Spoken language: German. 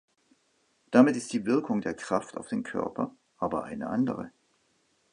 Damit ist die Wirkung der Kraft auf den Körper aber eine andere.